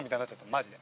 マジで。